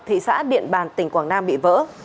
thị xã điện bàn tỉnh quảng nam bị vỡ